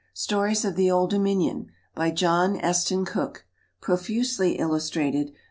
Stories of the Old Dominion. By JOHN ESTEN COOKE. Profusely Illustrated.